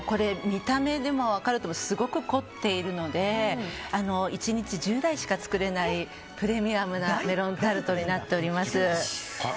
見た目でも分かると思うんですけどすごく凝っているので１日１０台しか作れないプレミアムなメロンタルトになっております。